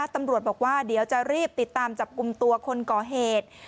ตำรวจบอกว่าเดี๋ยวจะรีบติดตามจับกลุ่มตัวคนก่อเหตุ